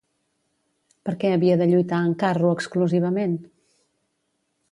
Per què havia de lluitar en carro exclusivament?